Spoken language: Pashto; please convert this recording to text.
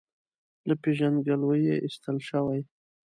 له پېژندګلوۍ یې ایستل شوی.